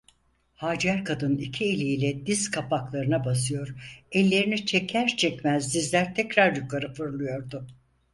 Hacer kadın iki eliyle diz kapaklarına basıyor, ellerini çeker çekmez dizler tekrar yukarı fırlıyordu.